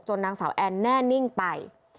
จนนางสาวแอลล์แน่นิ่งไป